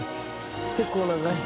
結構長い。